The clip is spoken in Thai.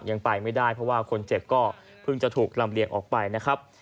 ยังไปไม่ได้เพราะว่าคนเจ็บก็เพิ่งจะถูกลำเลียงออกไปนะครับ